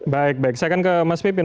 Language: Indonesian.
baik baik saya akan ke mas pipin